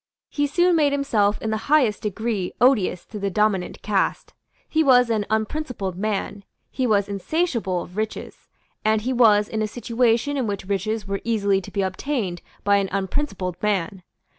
He soon made himself in the highest degree odious to the dominant caste. He was an unprincipled man; he was insatiable of riches; and he was in a situation in which riches were easily to be obtained by an unprincipled man.